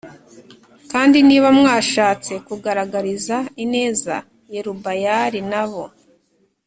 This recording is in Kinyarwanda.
kandi niba mwashatse kugaragariza ineza Yerubayali n abo